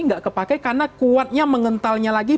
nggak kepakai karena kuatnya mengentalnya lagi